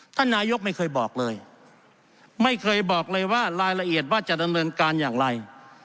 ท่านนายกไม่เคยบอกเลยไม่เคยบอกเลยว่ารายละเอียดว่าจะดำเนินการอย่างไร